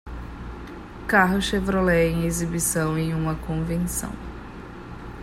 Carro Chevrolet em exibição em uma convenção